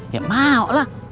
ya mau lah